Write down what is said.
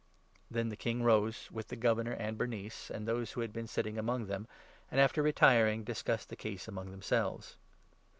" Then the King rose, with the Governor and Bernice and 30 those who had been sitting with them, and, after retiring, dis 31 cussed the case among themselves.